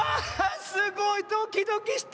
すごいドキドキした！